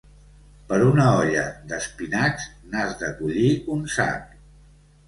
Per una olla d'espinacs n'has de collir un sac.